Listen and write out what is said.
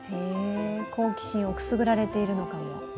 好奇心をくすぐられているのかも。